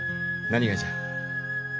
何がじゃ？